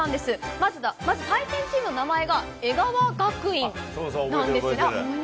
まず、対戦チームの名前が江川学院なんです。